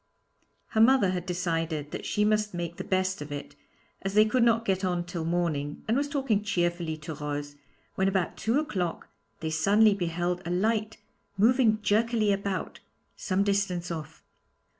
Her mother had decided that she must make the best of it, as they could not get on till morning, and was talking cheerfully to Rose, when about two o'clock they suddenly beheld a light moving jerkily about, some distance off.